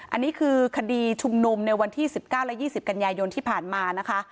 อันนี้คือคดีชุมนุมในวันที่สิบเก้าและยี่สิบกันยายนที่ผ่านมานะคะ